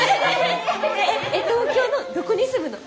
えっえっ東京のどこに住むの？